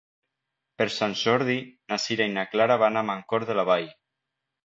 Per Sant Jordi na Sira i na Clara van a Mancor de la Vall.